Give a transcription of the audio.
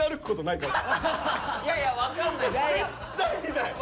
いやいや分かんないですよ。